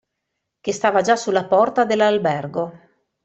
Che stava già sulla porta dell'albergo.